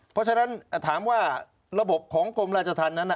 เพราะฉะนั้นถามว่าระบบของกรมราชธรรมนั้น